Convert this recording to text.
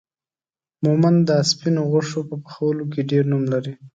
مومند دا سپينو غوښو په پخولو کې ډير نوم لري